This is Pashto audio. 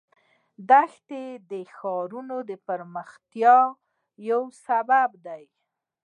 دښتې د ښاري پراختیا یو سبب دی.